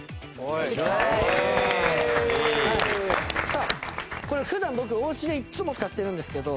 さあこれ普段僕おうちでいっつも使ってるんですけど。